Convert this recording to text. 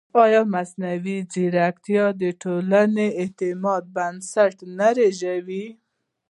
ایا مصنوعي ځیرکتیا د ټولنیز اعتماد بنسټ نه لړزوي؟